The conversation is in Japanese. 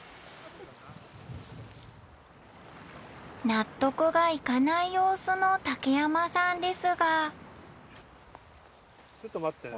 納得がいかない様子の竹山さんですがょっと待ってね。